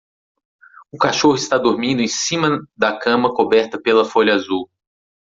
O cachorro está dormindo em cima da cama coberta pela folha azul.